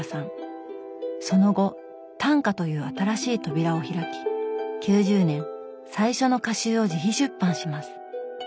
その後「短歌」という新しい扉を開き９０年最初の歌集を自費出版します。